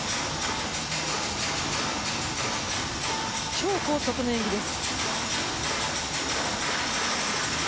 超高速の演技です。